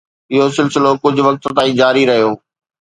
اهو سلسلو ڪجهه وقت تائين جاري رهيو.